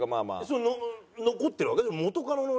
それ残ってるわけ？